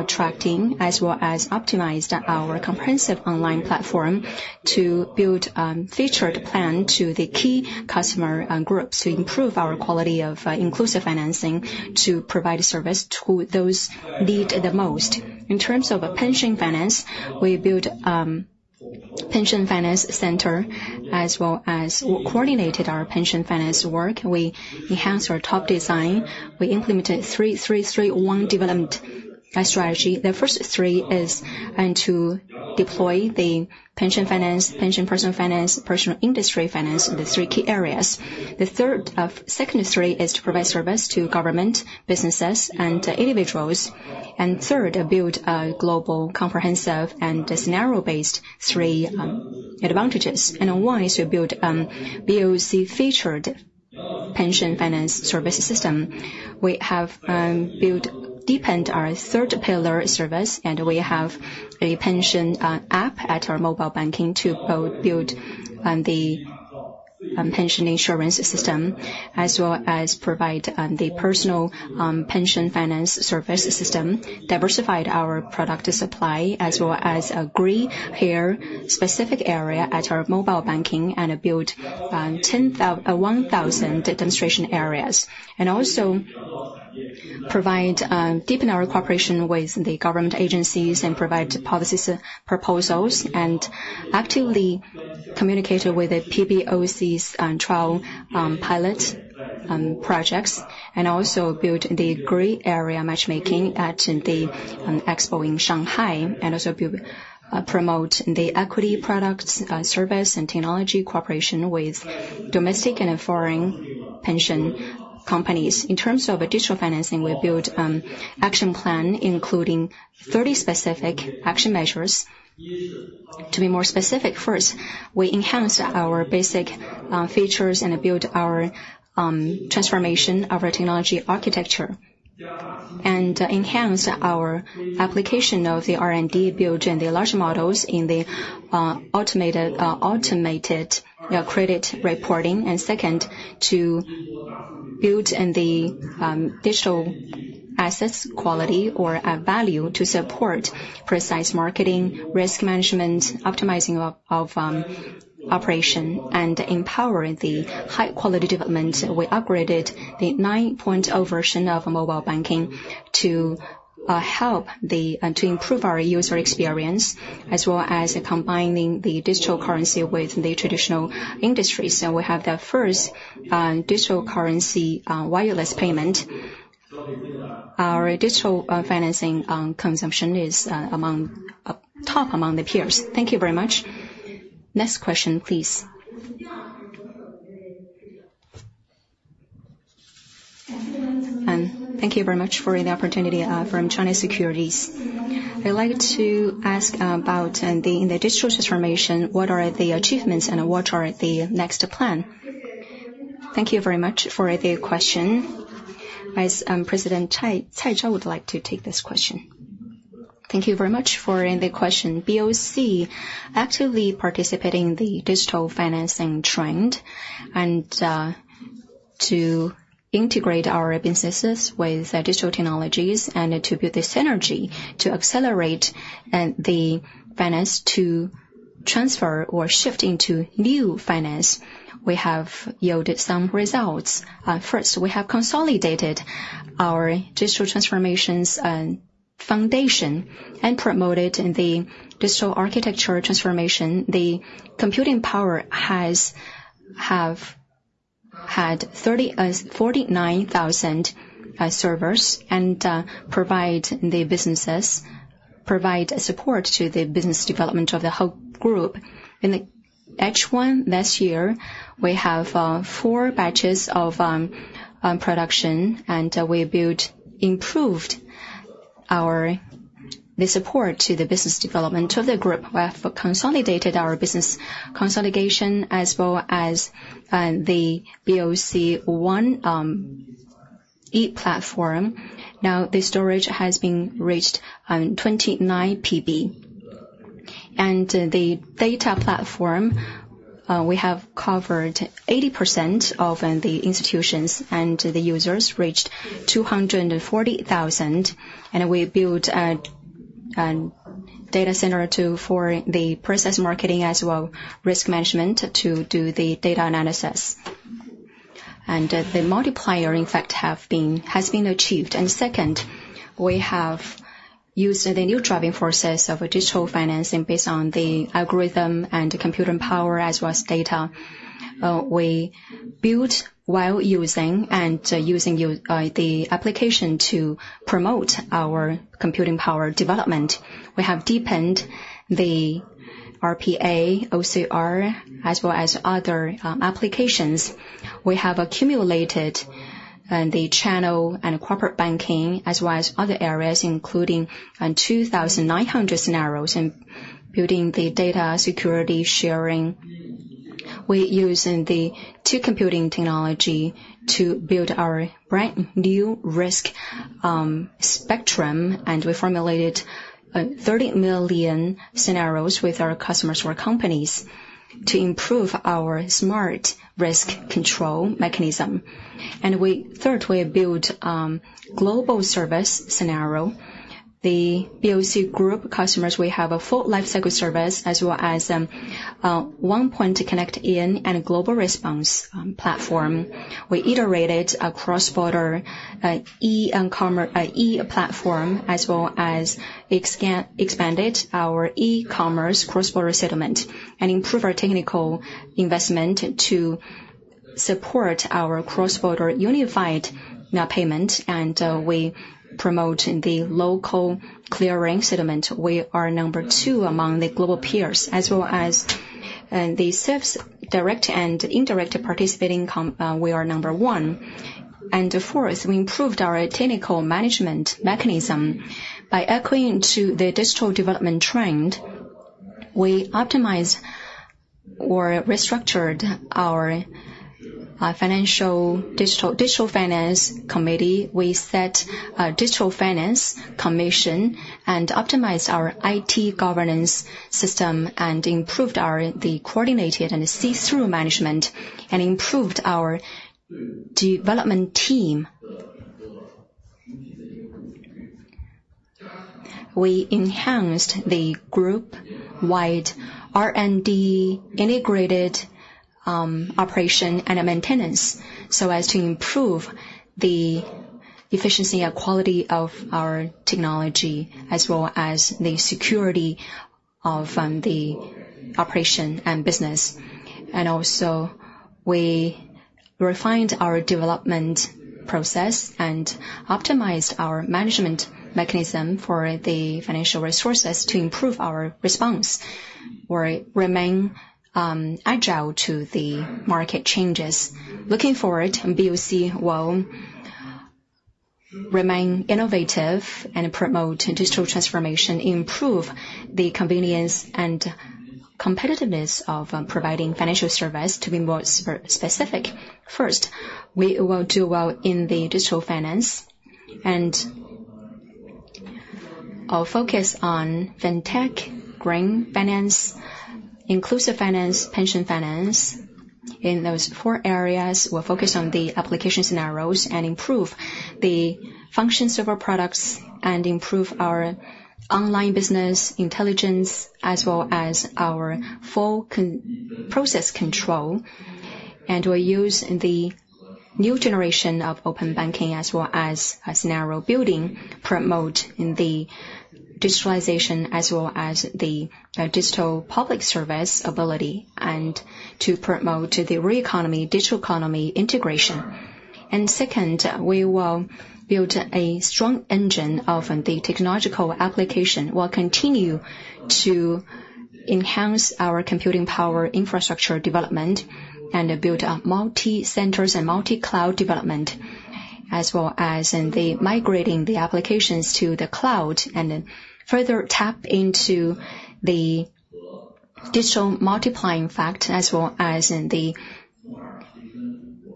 tracking, as well as optimized our comprehensive online platform to build featured plan to the key customer groups to improve our quality of inclusive finance to provide a service to those need the most. In terms of pension finance, we built pension finance center, as well as coordinated our pension finance work. We enhanced our top design. We implemented 3-3-3-1 development strategy. The first three is to deploy the pension finance, pension personal finance, personal industry finance, the three key areas. The second is to provide service to government, businesses, and individuals. Third, build a global, comprehensive, and scenario-based three advantages. The one is to build BOC-featured pension finance service system. We have deepened our third pillar service, and we have a pension app at our mobile banking to both build the pension insurance system, as well as provide the personal pension finance service system, diversified our product supply, as well as a gray hair specific area at our mobile banking and build 1,000 demonstration areas. We also provide deepen our cooperation with the government agencies and provide policies, proposals, and actively communicated with the PBOC's and trial pilot projects, and also build the gray hair area matchmaking at the expo in Shanghai, and also promote the equity products service and technology cooperation with domestic and foreign pension companies. In terms of digital financing, we built action plan, including 30 specific action measures. To be more specific, first, we enhanced our basic features and built our transformation of our technology architecture, and enhanced our application of the R&D, building the large models in the automated credit reporting. Second, to build in the digital assets quality or add value to support precise marketing, risk management, optimizing of operation, and empowering the high quality development. We upgraded the 9.0 version of Mobile Banking to help to improve our user experience, as well as combining the digital currency with the traditional industries. So we have the first digital currency wireless payment. Our digital financing consumption is among top among the peers. Thank you very much. Next question, please. Thank you very much for the opportunity from China Securities. I'd like to ask about the digital transformation. What are the achievements and what are the next plan? Thank you very much for the question. Vice President Cai Cai Xiao would like to take this question. Thank you very much for the question. BOC actively participating in the digital financing trend, and to integrate our businesses with digital technologies and to build this synergy to accelerate the finance to transfer or shift into new finance. We have yielded some results. First, we have consolidated our digital transformations and foundation, and promoted the digital architecture transformation. The computing power has had 349 thousand servers, and provide support to the business development of the whole group. In H1 last year, we have four batches of production, and we built improved our the support to the business development of the group. We have consolidated our business consolidation as well as the BOC One e-platform. Now, the storage has been reached 29 PB. The data platform we have covered 80% of the institutions, and the users reached 240,000, and we built a data center for precise marketing as well, risk management, to do the data analysis. The multiplier, in fact, has been achieved. Second, we have used the new driving forces of digital finance based on the algorithm and computing power, as well as data. We built while using and using the application to promote our computing power development. We have deepened the RPA, OCR, as well as other applications. We have accumulated the channel and corporate banking, as well as other areas, including 2,900 scenarios in building the data security sharing. We're using the two computing technology to build our brand new risk spectrum, and we formulated 30 million scenarios with our customers or companies to improve our smart risk control mechanism. Third, we built global service scenario. The BOC Group customers, we have a full lifecycle service, as well as one point to connect in and a global response platform. We iterated a cross-border e-commerce platform, as well as expanded our e-commerce cross-border settlement and improved our technical investment to support our cross-border unified payment, and we promote the local clearing settlement. We are number two among the global peers, as well as the safest direct and indirect participating companies, we are number one. Fourth, we improved our technical management mechanism. By echoing to the digital development trend, we optimized or restructured our digital finance committee. We set a digital finance commission and optimized our IT governance system, and improved the coordinated and see-through management, and improved our development team. We enhanced the group-wide R&D integrated operation and maintenance, so as to improve the efficiency and quality of our technology, as well as the security of the operation and business. We also refined our development process and optimized our management mechanism for the financial resources to improve our response, or remain agile to the market changes. Looking forward, BOC will remain innovative and promote digital transformation, improve the convenience and competitiveness of providing financial service. To be more specific, first, we will do well in the digital finance, and I'll focus on Fintech, green finance, inclusive finance, pension finance. In those four areas, we'll focus on the application scenarios and improve the functions of our products, and improve our online business intelligence, as well as our full process control. We'll use the new generation of open banking as well as a scenario building, promote the digitalization, as well as the digital public service ability, and to promote the real economy, digital economy integration. Second, we will build a strong engine of the technological application. We'll continue to enhance our computing power infrastructure development, and build up multi-centers and multi-cloud development, as well as in the migrating the applications to the cloud, and then further tap into the digital multiplying effect, as well as in the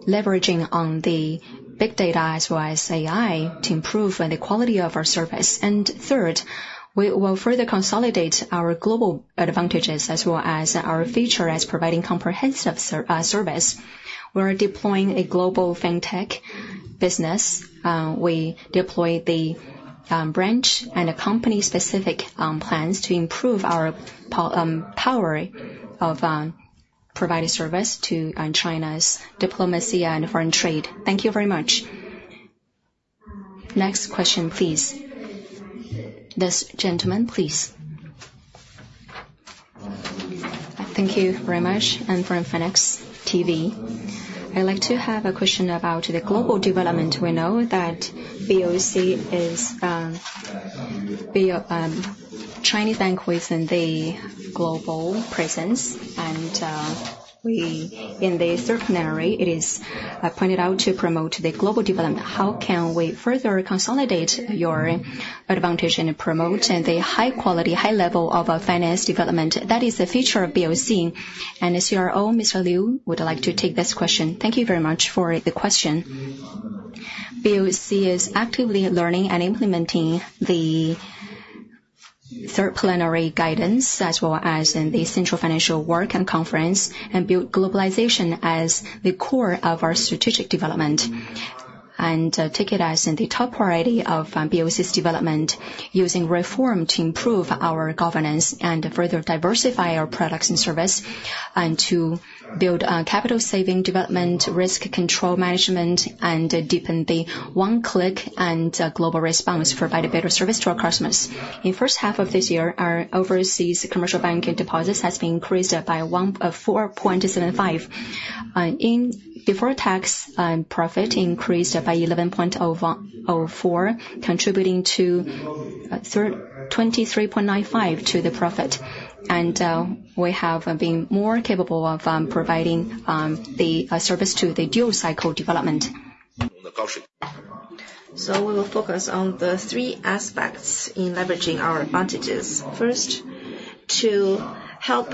leveraging on the big data, as well as AI, to improve the quality of our service. Third, we will further consolidate our global advantages as well as our feature as providing comprehensive service. We are deploying a global Fintech business. We deploy the branch and company-specific plans to improve our power of providing service to China's diplomacy and foreign trade. Thank you very much. Next question, please. This gentleman, please. Thank you very much. I'm from Phoenix TV. I'd like to have a question about the global development. We know that BOC is Chinese bank within the global presence, and we, in the third plenary, it is pointed out to promote the global development. How can we further consolidate your advantage and promote the high quality, high level of finance development? That is the future of BOC. As your CEO, Mr. Liu, would like to take this question. Thank you very much for the question. BOC is actively learning and implementing the third plenary guidance, as well as in the Central Financial Work Conference, and build globalization as the core of our strategic development, and take it as the top priority of BOC's development, using reform to improve our governance and further diversify our products and service, and to build capital saving development, risk control management, and deepen the one click and global response, provide a better service to our customers. In first half of this year, our overseas commercial banking deposits has been increased by 14.75%. Before tax profit increased by 11.04%, contributing 23.95% to the profit. We have been more capable of providing the service to the dual cycle development. We will focus on the three aspects in leveraging our advantages. First, to help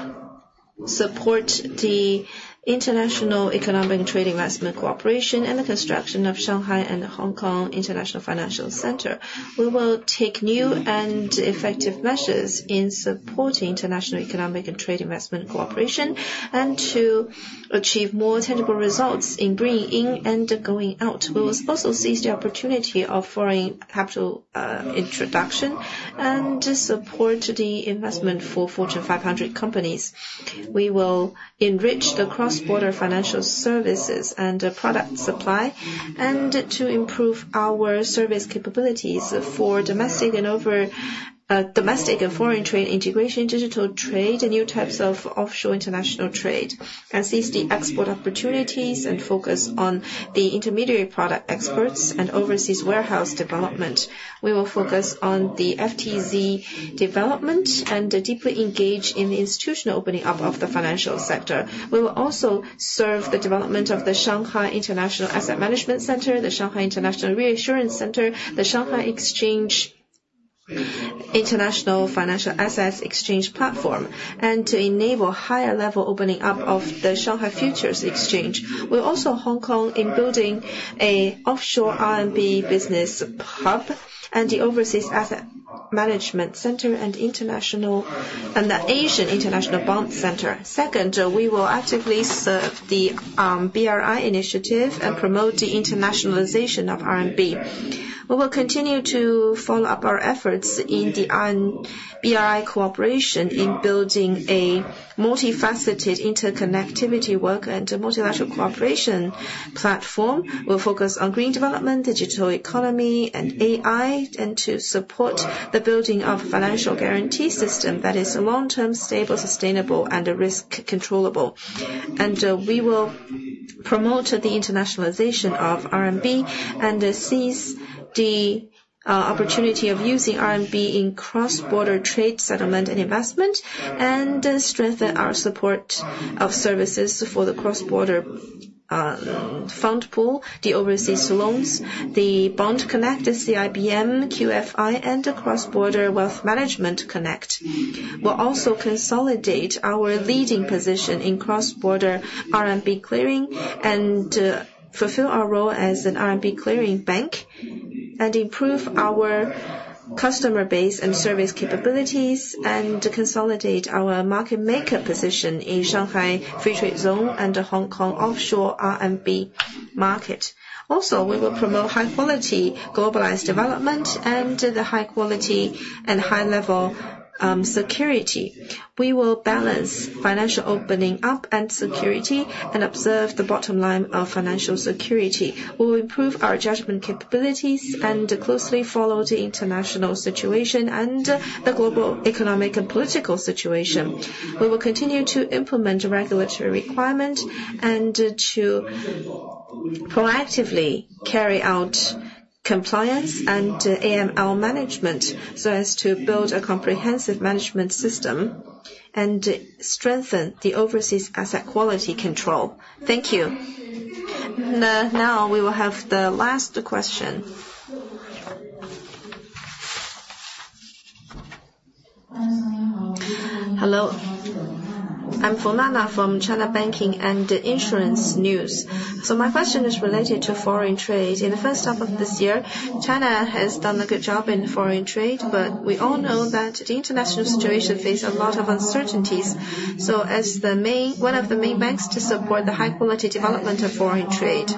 support the international economic trade investment cooperation and the construction of Shanghai and Hong Kong International Financial Center. We will take new and effective measures in supporting international economic and trade investment cooperation, and to achieve more tangible results in bringing in and going out. We will also seize the opportunity of foreign capital introduction, and to support the investment for Fortune 500 companies. We will enrich the cross-border financial services and product supply, and to improve our service capabilities for domestic and foreign trade integration, digital trade, and new types of offshore international trade, and seize the export opportunities and focus on the intermediary product exports and overseas warehouse development. We will focus on the FTZ development and deeply engage in the institutional opening up of the financial sector. We will also serve the development of the Shanghai International Asset Management Center, the Shanghai International Reinsurance Center, the Shanghai International Financial Assets Exchange platform and to enable higher level opening up of the Shanghai Futures Exchange. We will also serve Hong Kong in building an offshore RMB business hub and the overseas asset management center and international and the Asian International Bond Center. Second, we will actively serve the BRI initiative and promote the internationalization of RMB. We will continue to follow up our efforts in the BRI cooperation in building a multifaceted interconnectivity work and a multilateral cooperation platform. We will focus on green development, digital economy, and AI, and to support the building of financial guarantee system that is long-term, stable, sustainable, and risk controllable. We will promote the internationalization of RMB and seize the opportunity of using RMB in cross-border trade, settlement, and investment, and strengthen our support of services for the cross-border fund pool, the overseas loans, the Bond Connect, the CIBM, QFI, and the Cross-border Wealth Management Connect. We'll also consolidate our leading position in cross-border RMB clearing and fulfill our role as an RMB clearing bank, and improve our customer base and service capabilities, and to consolidate our market maker position in Shanghai Free Trade Zone and the Hong Kong offshore RMB market. Also, we will promote high quality, globalized development and the high quality and high level security. We will balance financial opening up and security and observe the bottom line of financial security. We will improve our judgment capabilities and closely follow the international situation and the global economic and political situation. We will continue to implement the regulatory requirement and to proactively carry out compliance and AML management, so as to build a comprehensive management system and strengthen the overseas asset quality control. Thank you. Now, we will have the last question. Hello, I'm Fu Na from China Banking and Insurance News. My question is related to foreign trade. In the first half of this year, China has done a good job in foreign trade, but we all know that the international situation face a lot of uncertainties. As one of the main banks to support the high quality development of foreign trade,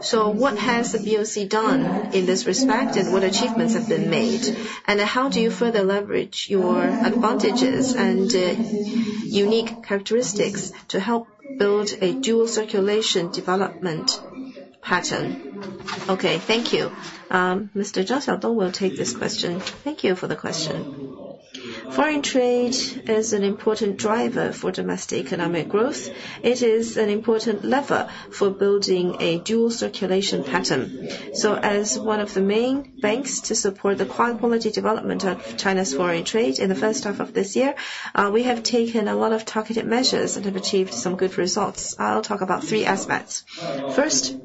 so what has the BOC done in this respect, and what achievements have been made? How do you further leverage your advantages and unique characteristics to help build a dual circulation development pattern? Okay, thank you. Mr. Zhang Xiaodong will take this question. Thank you for the question. Foreign trade is an important driver for domestic economic growth. It is an important lever for building a dual circulation pattern. As one of the main banks to support the high quality development of China's foreign trade in the first half of this year, we have taken a lot of targeted measures and have achieved some good results. I'll talk about three aspects. First,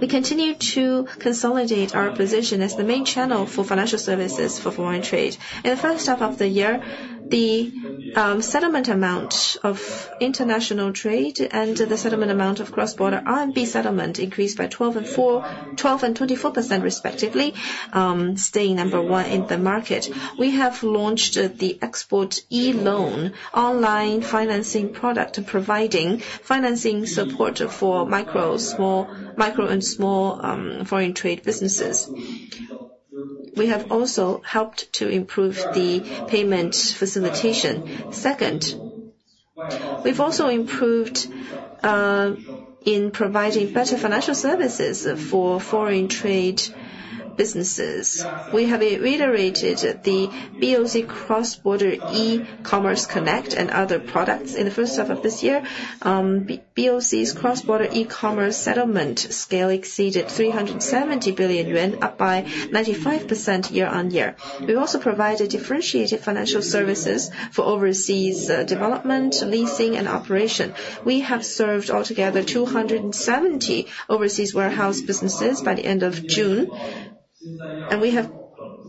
we continue to consolidate our position as the main channel for financial services for foreign trade. In the first half of the year, the settlement amount of international trade and the settlement amount of cross-border RMB settlement increased by 12% and 24%, respectively, staying number one in the market. We have launched the Export E-loan online financing product, providing financing support for micro and small foreign trade businesses. We have also helped to improve the payment facilitation. Second, we've also improved in providing better financial services for foreign trade businesses. We have reiterated the BOC Cross-border E-commerce Connect and other products. In the first half of this year, BOC's cross-border e-commerce settlement scale exceeded 370 billion yuan, up by 95% year on year. We've also provided differentiated financial services for overseas development, leasing, and operation. We have served altogether 270 overseas warehouse businesses by the end of June, and we have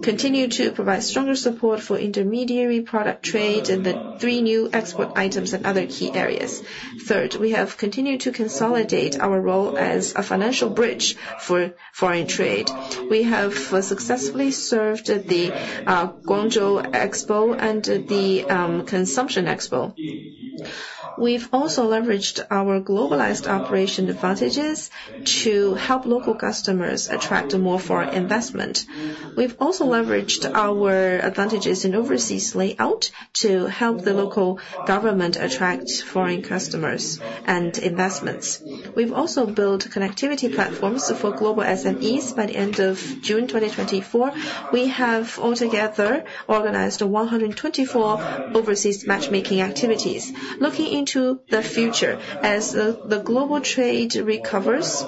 continued to provide stronger support for intermediary product trade and the three new export items and other key areas. Third, we have continued to consolidate our role as a financial bridge for foreign trade. We have successfully served the Guangzhou Expo and the Consumption Expo. We've also leveraged our globalized operation advantages to help local customers attract more foreign investment. We've also leveraged our advantages in overseas layout to help the local government attract foreign customers and investments. We've also built connectivity platforms for global SMEs. By the end of June 2024, we have altogether organized one hundred and twenty-four overseas matchmaking activities. Looking into the future, as the global trade recovers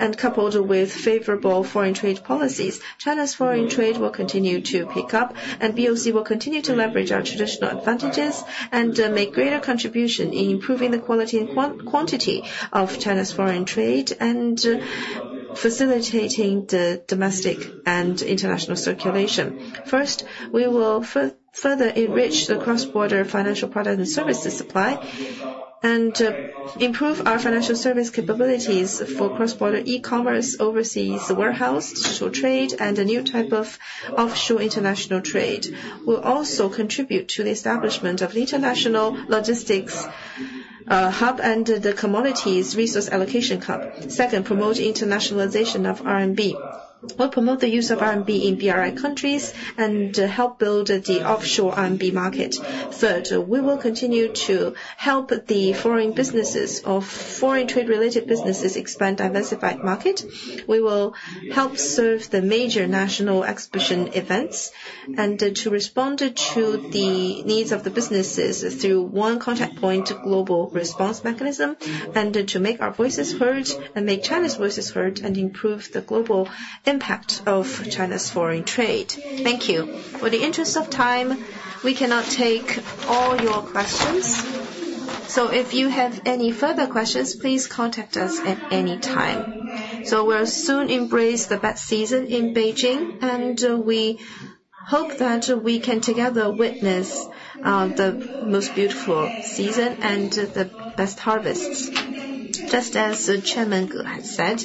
and coupled with favorable foreign trade policies, China's foreign trade will continue to pick up, and BOC will continue to leverage our traditional advantages and make greater contribution in improving the quality and quantity of China's foreign trade and facilitating the domestic and international circulation. First, we will further enrich the cross-border financial product and services supply, and improve our financial service capabilities for cross-border e-commerce, overseas warehouse, social trade, and a new type of offshore international trade. We'll also contribute to the establishment of the international logistics hub and the commodities resource allocation hub. Second, promote internationalization of RMB. We'll promote the use of RMB in BRI countries, and help build the offshore RMB market. Third, we will continue to help the foreign businesses or foreign trade-related businesses expand diversified market. We will help serve the major national exhibition events, and to respond to the needs of the businesses through one contact point, global response mechanism, and to make our voices heard, and make China's voices heard, and improve the global impact of China's foreign trade. Thank you. For the interest of time, we cannot take all your questions. If you have any further questions, please contact us at any time. We'll soon embrace the best season in Beijing, and we hope that we can together witness the most beautiful season and the best harvests. Just as Chairman Ge had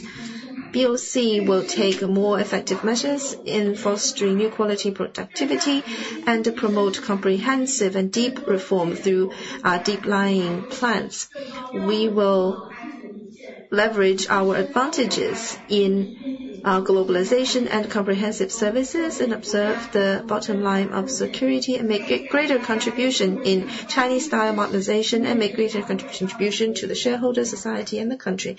said, BOC will take more effective measures in fostering new quality productivity, and to promote comprehensive and deep reform through our deep-lying plans. We will leverage our advantages in globalization and comprehensive services, and observe the bottom line of security, and make a greater contribution in Chinese-style modernization, and make greater contribution to the shareholder, society, and the country.